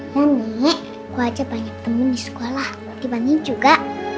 ya nek gue ajak banyak temen di sekolah dibanding juga